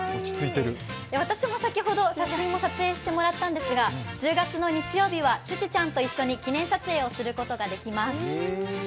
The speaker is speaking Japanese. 私も先ほど写真を撮影してもらったんですが１０月の日曜日はちゅちゅちゃんと一緒に記念撮影をすることができます。